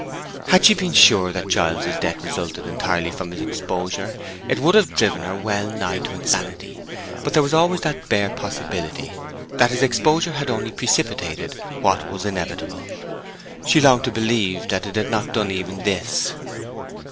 Had she been sure that Giles's death resulted entirely from his exposure, it would have driven her well nigh to insanity; but there was always that bare possibility that his exposure had only precipitated what was inevitable. She longed to believe that it had not done even this.